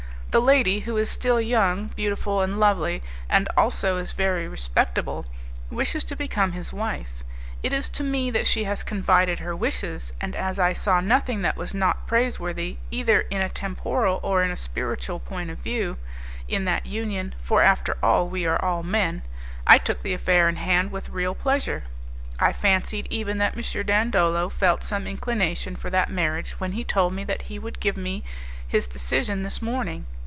The lady, who is still young, beautiful and lovely, and also is very respectable, wishes to become his wife. It is to me that she has confided her wishes, and as I saw nothing that was not praiseworthy, either in a temporal or in a spiritual point of view, in that union, for after all we are all men, I took the affair in hand with real pleasure. I fancied even that M. Dandolo felt some inclination for that marriage when he told me that he would give me his decision this morning.